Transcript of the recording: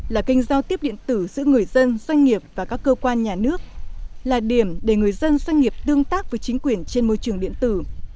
là kênh giao tiếp điện tử giữa người dân doanh nghiệp và các cơ quan nhà nước là điểm để người dân doanh nghiệp tương tác với chính quyền trên môi trường điện tử